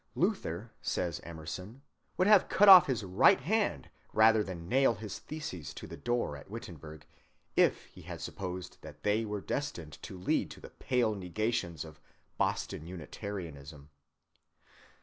Luther, says Emerson, would have cut off his right hand rather than nail his theses to the door at Wittenberg, if he had supposed that they were destined to lead to the pale negations of Boston Unitarianism.